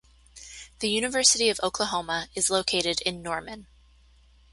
The University of Oklahoma is located in Norman.